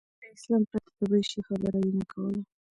له اسلام پرته د بل شي خبره یې نه کوله.